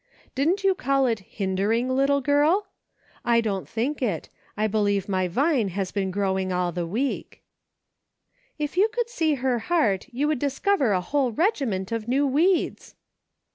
'' Did you call it * hindering,' little girl } I don't think it ; I believe my Vine has been growing all the week." " If you could see her heart, you would discover a whole regiment of new weeds !". 284 A GREAT MANY "LITTLE THINGS."